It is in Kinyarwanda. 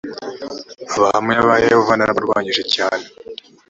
abahamya ba yehova narabarwanyije cyane